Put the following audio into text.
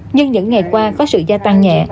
nhưng những ngày qua có sự gia tăng nhẹ